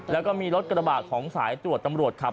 แล้วก็มีรถกระบะของสายตรวจตำรวจขับ